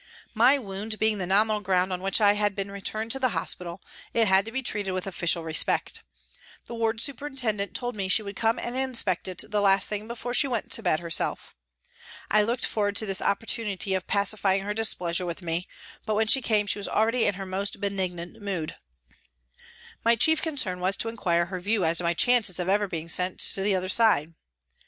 My wound being the nominal ground on which I had been returned to hospital, it had to be treated with official respect. The ward superintendent told me she would come and inspect it the last thing before she went to bed herself. I looked forward to this opportunity of pacifying her displeasure with me, but when she came she was already in her most benignant mood. My chief concern was to inquire her view as to my chances of ever being sent to the other side.